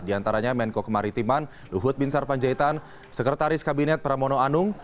di antaranya menko kemaritiman luhut bin sarpanjaitan sekretaris kabinet pramono anung